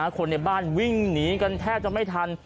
คนในบ้านวิ่งหนีกันแทบจะไม่ทัน